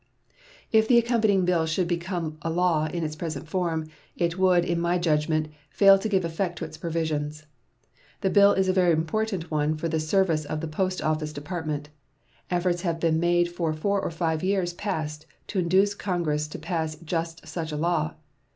If the accompanying bill should become a law in its present form, it would, in my judgment, fail to give effect to its provisions. The bill is a very important one for the service of the Post Office Department. Efforts have been made for four or five years past to induce Congress to pass just such a law.